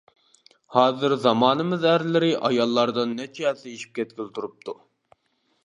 ھازىر زامانىمىز ئەرلىرى ئاياللاردىن نەچچە ھەسسە ئېشىپ كەتكىلى تۇرۇپتۇ.